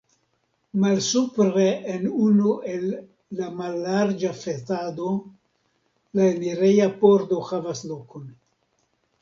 Malsupre en unu el la mallarĝa fasado la enireja pordo havas lokon.